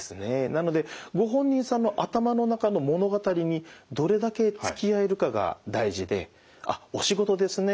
なのでご本人さんの頭の中の物語にどれだけつきあえるかが大事で「あっお仕事ですね。